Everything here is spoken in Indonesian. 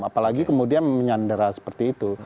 apalagi kemudian menyandera seperti itu